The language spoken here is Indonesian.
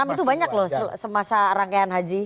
enam itu banyak loh semasa rangkaian haji